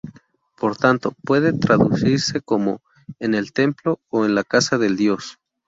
Por tanto, puede traducirse como "En el templo" o "En la casa del Dios".